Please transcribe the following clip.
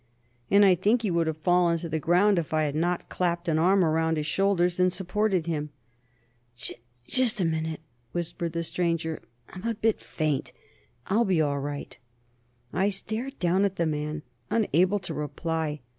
and I think he would have fallen to the ground if I had not clapped an arm around his shoulders and supported him. "Just ... a moment," whispered the stranger. "I'm a bit faint.... I'll be all right...." I stared down at the man, unable to reply.